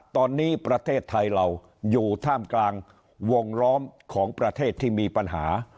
ตอนนี้ประเทศไทยเราอยู่ท่ามกลางวงล้อมของประเทศที่มีปัญหา